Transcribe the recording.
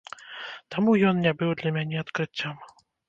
Таму ён не быў для мяне адкрыццём.